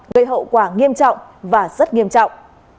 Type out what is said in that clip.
gây hậu quả nghiêm trọng và rất nghiêm trọng